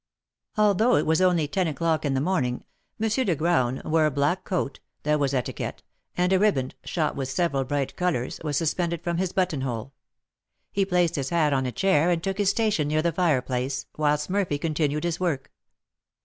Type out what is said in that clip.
Although it was only ten o'clock in the morning, M. de Graün wore a black coat, that was etiquette, and a riband, shot with several bright colours, was suspended from his buttonhole. He placed his hat on a chair and took his station near the fireplace, whilst Murphy continued his work.